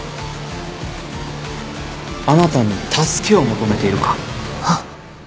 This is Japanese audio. あなたに助けを求めているか